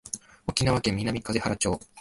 沖縄県南風原町